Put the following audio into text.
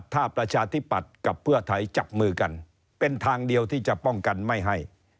ถ้าประชาธิปัตย์กับเพื่อไทยจับมือกันเป็นทางเดียวที่จะป้องกันไม่ให้